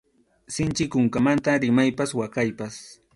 Sinchi kunkamanta rimaypas waqaypas.